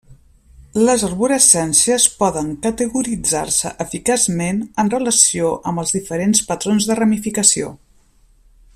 Les arborescències poden categoritzar-se eficaçment en relació amb els diferents patrons de ramificació.